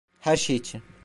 Her şey için.